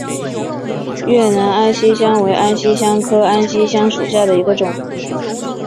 越南安息香为安息香科安息香属下的一个种。